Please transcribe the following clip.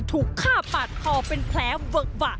ถูกฆ่าปาดคอเป็นแผลเวอะวะ